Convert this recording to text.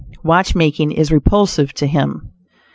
Watchmaking is repulsive to him.